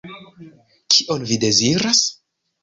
Kion vi deziras?